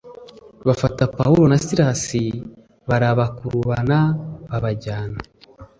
bafata Pawulo na Silasi barabakurubana babajyana